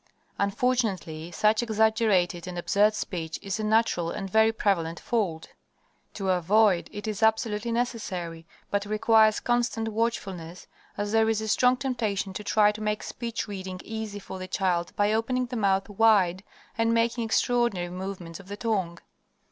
Unfortunately, such exaggerated and absurd speech is a natural and very prevalent fault. To avoid it is absolutely necessary, but requires constant watchfulness, as there is a strong temptation to try to make speech reading easy for the child by opening the mouth wide and making extraordinary movements of the tongue.